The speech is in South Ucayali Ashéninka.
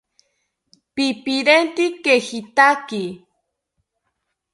¡Pipirente kejitaki!